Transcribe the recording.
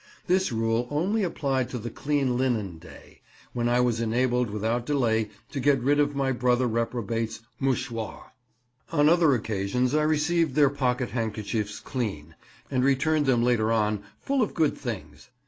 This rule only applied to the clean linen day, when I was enabled without delay to get rid of my brother reprobate's mouchoir. On other occasions I received their pocket handkerchiefs clean, and returned them later on full of good things.